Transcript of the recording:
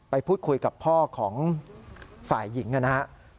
ไปพูดคุยกับพ่อของฝ่ายหญิงนะครับ